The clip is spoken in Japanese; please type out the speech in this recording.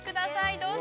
どうぞ。